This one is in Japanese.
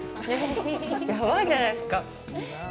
やばいじゃないですか。